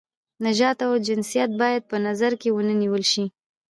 نژاد او جنسیت باید په نظر کې ونه نیول شي.